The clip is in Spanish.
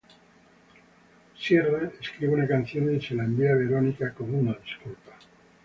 Sierra escribe una canción y se la envía a Veronica como una disculpa.